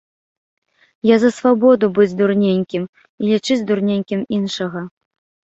Я за свабоду быць дурненькім і лічыць дурненькім іншага.